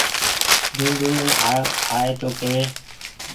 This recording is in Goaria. ڊونڊ ڊونڊين آئي تو ڪيوي